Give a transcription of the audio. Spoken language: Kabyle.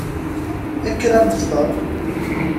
Kker ad nefteṛ.